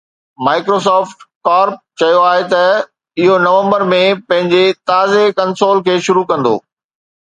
Microsoft Corp چيو آهي ته اهو نومبر ۾ پنهنجي تازي ڪنسول کي شروع ڪندو